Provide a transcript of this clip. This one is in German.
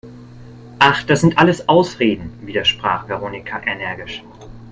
Ach, das sind alles Ausreden, widersprach Veronika energisch.